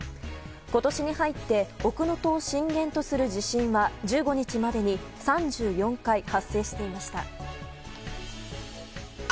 今年に入って奥能登を震源とする地震は１５日までに３４回発生していました。